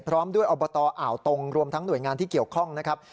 พร้อมด้วยอบตอ่าวตรงรวมทั้งหน่วยงานที่เกี่ยวข้องนะครับ